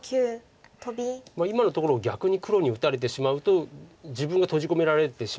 今のところを逆に黒に打たれてしまうと自分が閉じ込められてしまうんです。